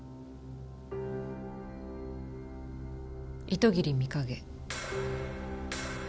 糸切美影。